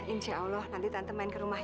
insya allah nanti tante main ke rumah